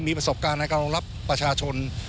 มีประสบการณ์ในการรองรับประชาชน